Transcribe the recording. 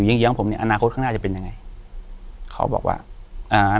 เยื้องผมเนี้ยอนาคตข้างหน้าจะเป็นยังไงเขาบอกว่าอ่า